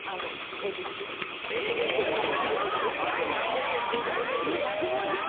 恵比寿で１５０円。